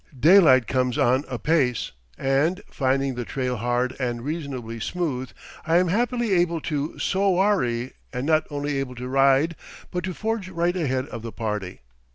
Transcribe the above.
Daylight comes on apace and, finding the trail hard and reasonably smooth, I am happily able to "sowari," and not only able to ride but to forge right ahead of the party.